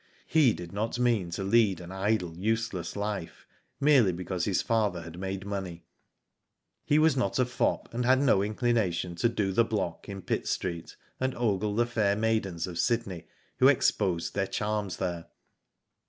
He did not mean to lead an idle useless life, merely because his father had made money. He was not a fop, and had no inclination to do the block in Pitt Street, and ogle the fair maidens of Sydney who exposed their charms there.